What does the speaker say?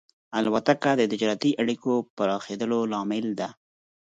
الوتکه د تجارتي اړیکو پراخېدلو لامل ده.